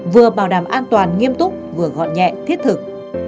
vừa bảo đảm an toàn nghiêm túc vừa gọn nhẹ thiết thực